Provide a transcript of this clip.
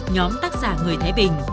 nhóm tác giả người thái bình